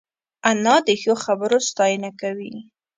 انا د ښو خبرو ستاینه کوي